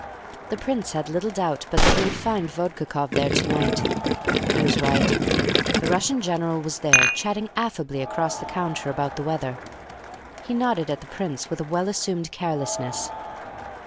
The Prince had little doubt but that he would find Vodkakoff there to night. He was right. The Russian general was there, chatting affably across the counter about the weather. He nodded at the Prince with a well assumed carelessness.